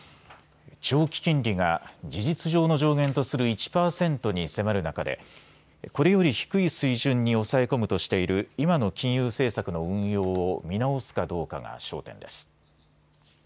長期金利が事実上の上限とする１％に迫る中でこれより低い水準に抑え込むとしている今の金融政策の運用を見直すかどうかが焦点です。